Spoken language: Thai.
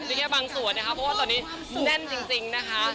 มีแค่บางส่วนนะคะเพราะว่าตอนนี้แน่นจริงนะคะ